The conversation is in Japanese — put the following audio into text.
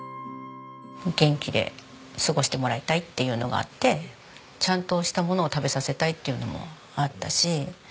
元気で過ごしてもらいたいっていうのがあってちゃんとしたものを食べさせたいっていうのもあったし。